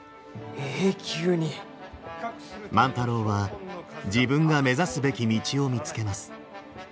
万太郎は自分が目指すべき道を見つけます。